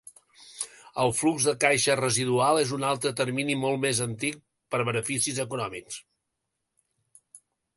El flux de caixa residual és un altre termini molt més antic per beneficis econòmics.